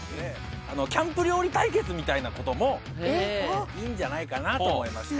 キャンプ料理対決みたいな事もいいんじゃないかなと思いまして。